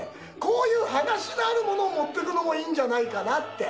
こういう話のあるものを持っていくのもいいんじゃないかなって。